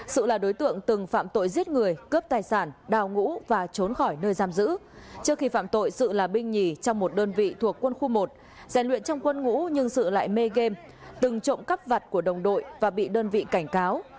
sự là đối tượng từng phạm tội giết người cướp tài sản đào ngũ và trốn khỏi nơi giam giữ trước khi phạm tội sự là binh nhì trong một đơn vị thuộc quân khu một rèn luyện trong quân ngũ nhưng dự lại mê game từng trộm cắp vặt của đồng đội và bị đơn vị cảnh cáo